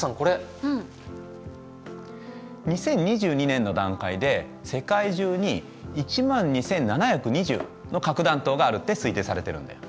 ２０２２年の段階で世界中に１万２，７２０の核弾頭があるって推定されてるんだよ。